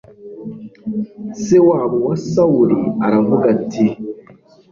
se wabo wa sawuli aravuga ati